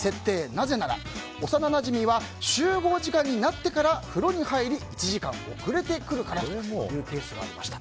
なぜなら、幼なじみは集合時間になってから風呂に入り１時間遅れてくるからというケースがありました。